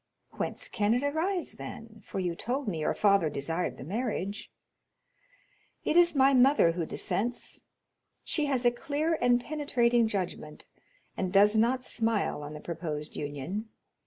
"Whence can it arise, then? for you told me your father desired the marriage." "It is my mother who dissents; she has a clear and penetrating judgment, and does not smile on the proposed union.